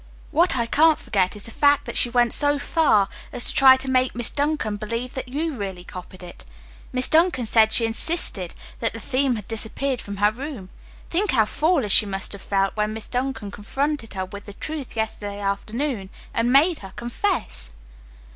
What I can't forget is the fact that she went so far as to try to make Miss Duncan believe that you really copied it. Miss Duncan said she insisted that the theme had disappeared from her room. Think how foolish she must have felt when Miss Duncan confronted her with the truth yesterday afternoon and made her confess!"